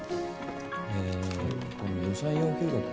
えぇこの予算要求額が。